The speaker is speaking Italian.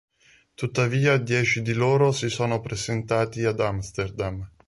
Tuttavia, dieci di loro si sono presentati ad Amsterdam.